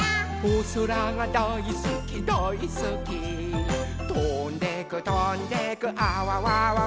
「おそらがだいすきだいすき」「とんでくとんでくあわわわわ」